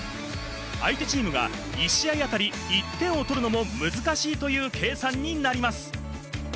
相手チームが１試合あたり１点を取るのも難しいという計算になります。